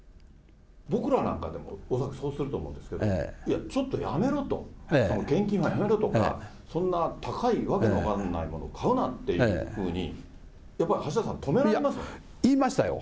僕らなんかでも、恐らくそうすると思うんですけれども、いや、ちょっとやめろと、献金はやめろとか、そんな高い訳の分かんないもの買うなっていうふうに、やっぱり橋田さん、いや、言いましたよ。